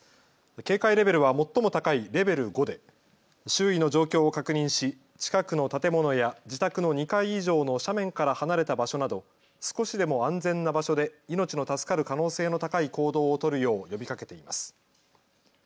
警戒レベルは最も高いレベル５で周囲の状況を確認し近くの建物や自宅の２階以上の斜面から離れた場所など少しでも安全な場所で命の助かる可能性の高い行動を取るよう呼びかけています。